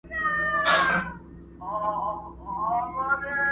بختور به په دنیا کي د حیات اوبه چښینه!!